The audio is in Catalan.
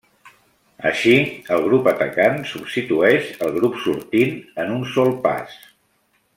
Així, el grup atacant substitueix el grup sortint en un sol pas.